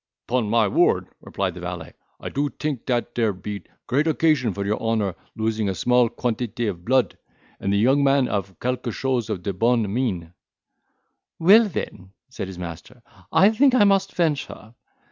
"Pon my word," replied the valet, "I do tink dat dere be great occasion for your honour losing a small quantite of blodt; and the young man ave quelque chose of de bonne mine." "Well, then," said his master, "I think I must venture."